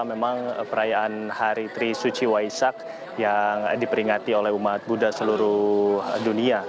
ini adalah perayaan hari tri suci waisak yang diperingati oleh umat buddha seluruh dunia